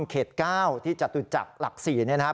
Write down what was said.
เขตก้าวที่จะจุดจักรหลักษีเนี่ยนะครับ